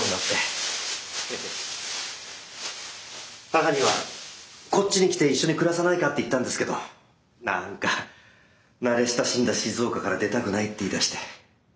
母にはこっちに来て一緒に暮らさないかって言ったんですけど何か慣れ親しんだ静岡から出たくないって言いだして。